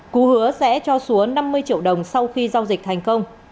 cú hứa sẽ cho xúa năm mươi triệu đồng sau khi giao dịch thành công